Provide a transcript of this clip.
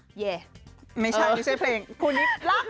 ไม่ใช่นี่ใช่เพลงคุณนิ๊ก